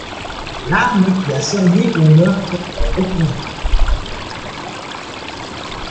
L'arme qui a servi au meurtre est retrouvée.